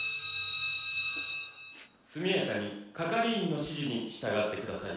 速やかに係員の指示に従ってください